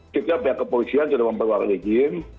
kita pihak kepolisian sudah memperbarui izin